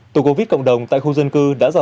tổ covid cộng đồng tại khu dân cư đã rà soát